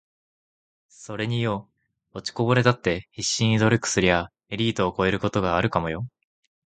｢それによ……落ちこぼれだって必死で努力すりゃエリートを超えることがあるかもよ｣